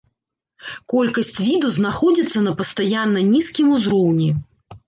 Колькасць віду знаходзіцца на пастаянна нізкім узроўні.